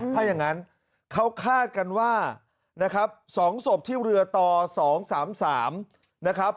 ถ้าอย่างงั้นเขาคาดกันว่านะครับสองศพที่เรือต่อสองสามสามนะครับ